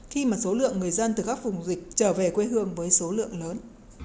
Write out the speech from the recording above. khi mà số lượng người dân từ các vùng dịch trở về quê hương với số lượng lớn